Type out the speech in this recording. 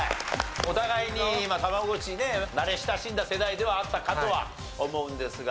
お互いに『たまごっち』ね慣れ親しんだ世代ではあったかとは思うんですが。